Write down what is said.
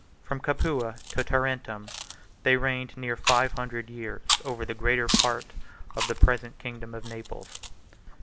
From Capua to Tarentum, they reigned near five hundred years over the greatest part of the present kingdom of Naples.